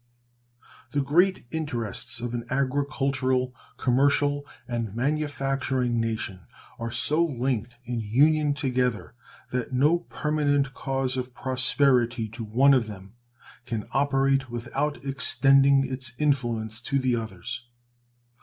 The great interests of an agricultural, commercial, and manufacturing nation are so linked in union together that no permanent cause of prosperity to one of them can operate without extending its influence to the others.